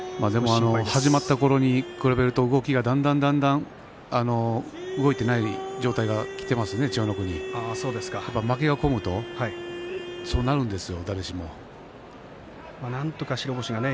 始まったころに比べると動きが、だんだんだんだんと動いていない状態になっていませんで千代の国は負けが込むとそうなるんですよ